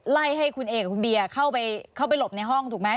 ไล่ให้คุณเอกับคุณเบียเข้าไปหลบในห้องถูกไหม